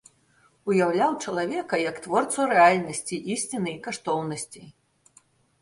Уяўляў чалавека як творцу рэальнасці, ісціны і каштоўнасцей.